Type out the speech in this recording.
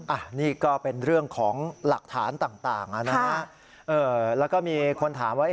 อันนี้ก็เป็นเรื่องของหลักฐานต่างอ่ะนะฮะเออแล้วก็มีคนถามว่า